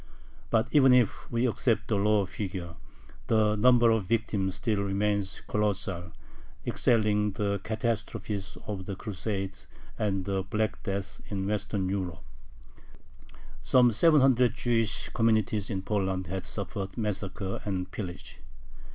But even if we accept the lower figure, the number of victims still remains colossal, excelling the catastrophes of the Crusades and the Black Death in Western Europe. Some seven hundred Jewish communities in Poland had suffered massacre and pillage.